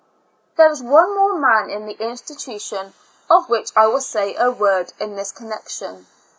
There is one more man in the institution of which I will say a word in this connec tion.